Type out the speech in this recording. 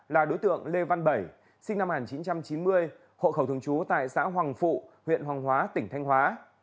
là đối tượng lê văn bảy sinh năm một nghìn chín trăm chín mươi hộ khẩu thường trú tại xã hoàng phụ huyện hoàng hóa tỉnh thanh hóa